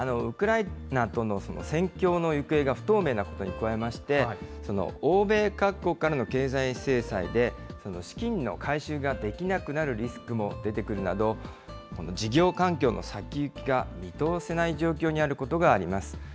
ウクライナとの戦況の行方が不透明なことに加えまして、欧米各国からの経済制裁で、資金の回収ができなくなるリスクも出てくるなど、この事業環境の先行きが見通せない状況にあることがあります。